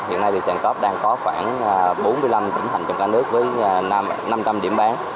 hiện nay thì sàn corp đang có khoảng bốn mươi năm tỉnh thành trong cả nước với năm trăm linh điểm bán